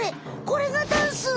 これがダンス？